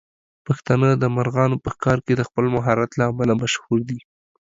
پښتانه د مرغانو په ښکار کې د خپل مهارت له امله مشهور دي.